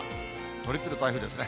トリプル台風ですね。